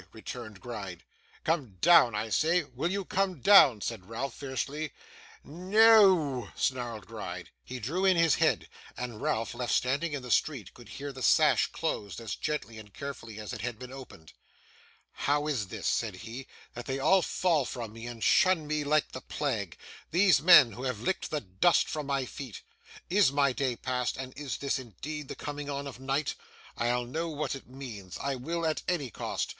returned Gride. 'Come down, I say. Will you come down?' said Ralph fiercely. 'No o o oo,' snarled Gride. He drew in his head; and Ralph, left standing in the street, could hear the sash closed, as gently and carefully as it had been opened. 'How is this,' said he, 'that they all fall from me, and shun me like the plague, these men who have licked the dust from my feet? IS my day past, and is this indeed the coming on of night? I'll know what it means! I will, at any cost.